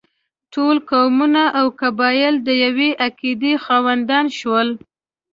ټول قومونه او قبایل د یوې عقیدې خاوندان شول.